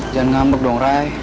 jangan ngambek dong ray